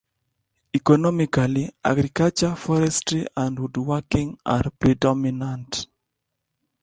Economically, agriculture, forestry and wood-working are predominant.